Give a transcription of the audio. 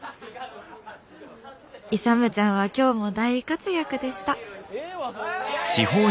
勇ちゃんは今日も大活躍でした」。